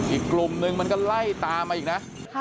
อีกกลุ่มนึงมันก็ไล่ตามมาอีกนะ